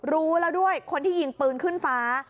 รู้แล้วด้วยคนที่ยิงปืนขึ้นฟ้า